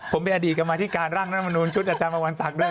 ผมไปอดีตกับการร่างน้ำมนูนชุดอาจารย์มาวันศักดิ์ด้วย